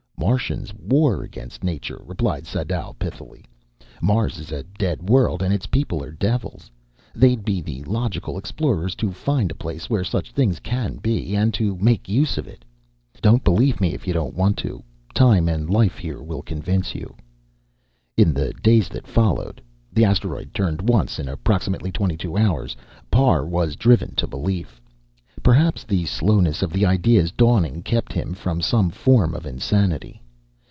"Martians war against nature," replied Sadau pithily. "Mars is a dead world, and its people are devils. They'd be the logical explorers to find a place where such things can be, and to make use of it. Don't believe me if you don't want to. Time and life here will convince you." In the days that followed the asteroid turned once in approximately twenty two hours Parr was driven to belief. Perhaps the slowness of the idea's dawning kept him from some form of insanity.